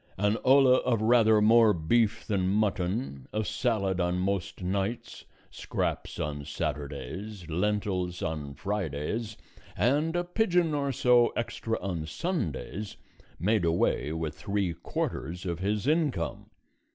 An olla of rather more beef than mutton, a salad on most nights, scraps on Saturdays, lentils on Fridays, and a pigeon or so extra on Sundays, made away with three quarters of his income.